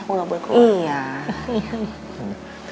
aku enggak boleh keluar